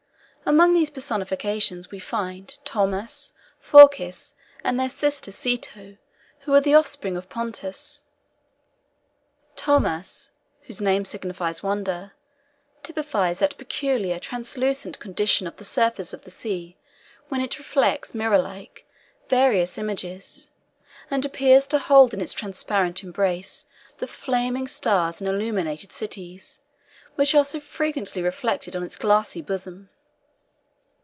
Among these personifications we find Thaumas, Phorcys, and their sister Ceto, who were the offspring of Pontus. Thaumas (whose name signifies Wonder) typifies that peculiar, translucent condition of the surface of the sea when it reflects, mirror like, various images, and appears to hold in its transparent embrace the flaming stars and illuminated cities, which are so frequently reflected on its glassy bosom.